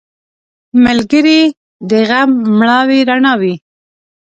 ملګری د غم مړاوې رڼا وي